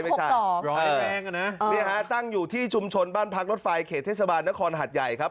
ไม่ใช่ภัยแรงอ่ะนะตั้งอยู่ที่ชุมชนบ้านพักรถไฟเขตเทศบาลนครหัดใหญ่ครับ